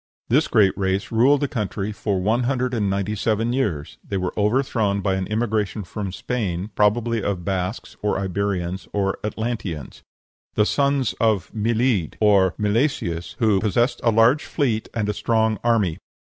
This great race ruled the country for one hundred and ninety seven years: they were overthrown by an immigration from Spain, probably of Basques, or Iberians, or Atlanteans, "the sons of Milidh," or Milesius, who "possessed a large fleet and a strong army."